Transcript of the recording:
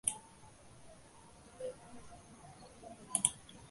তথা ধ্যায়তি প্রোষিতনাথা পতিমিতি বা নিরন্তরস্মরণা পতিং প্রতি সোৎকণ্ঠা সৈবমভিধীয়তে।